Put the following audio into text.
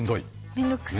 面倒くさい。